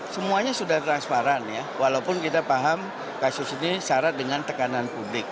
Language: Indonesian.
semuanya sudah transparan ya walaupun kita paham kasus ini syarat dengan tekanan publik